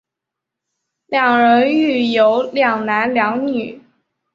两人育有两男两女。